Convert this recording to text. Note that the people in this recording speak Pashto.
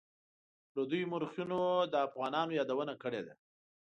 پردیو مورخینو د افغانانو یادونه کړې ده.